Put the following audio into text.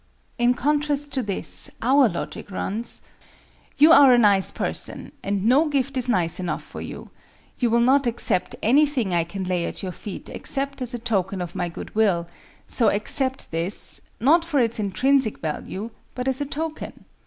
In contrast to this, our logic runs: "You are a nice person, and no gift is nice enough for you. You will not accept anything I can lay at your feet except as a token of my good will; so accept this, not for its intrinsic value, but as a token.